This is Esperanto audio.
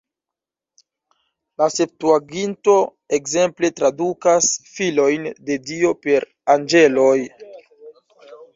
La Septuaginto, ekzemple, tradukas "filojn de Dio" per "anĝeloj".